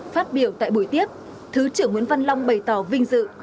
phát biểu tại buổi tiếp thứ trưởng nguyễn văn long bày tỏ vinh dự